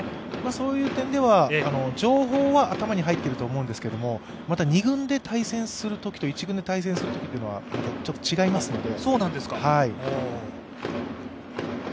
そういう点では、情報は頭に入っていると思うんですけど、また２軍で対戦するときと１軍で対戦するときとはちょっと違いますので。